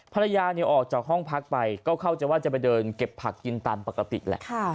ภรรยาออกจากห้องพักไปก็เข้าใจว่าจะไปเดินเก็บผักกินตามปกติแหละ